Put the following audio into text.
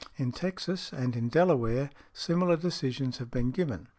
In Texas and in Delaware, similar decisions have been given .